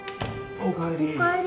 おかえり。